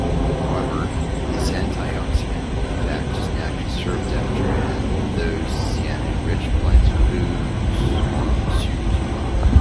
However, this antioxidant effect is not conserved after anthocyanin-rich plant foods are consumed.